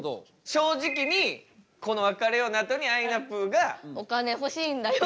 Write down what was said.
正直にこの「別れよう」のあとにあいなぷぅが「お金欲しいんだよ」